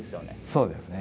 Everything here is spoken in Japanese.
そうですね。